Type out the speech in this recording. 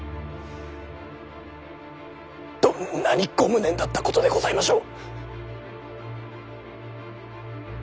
どんなにご無念だったことでございましょう。